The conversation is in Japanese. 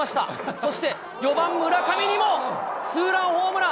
そして、４番村上にも、ツーランホームラン。